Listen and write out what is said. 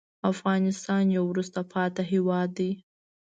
افغانستان یو وروسته پاتې هېواد دی.